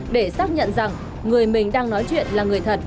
để xác nhận rằng người mình đang nói chuyện là người thật